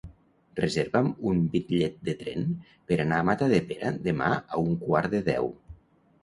Reserva'm un bitllet de tren per anar a Matadepera demà a un quart de deu.